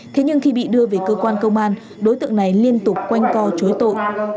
thế nhưng khi bị đưa về cơ quan công an đối tượng này liên tục quanh co chối tội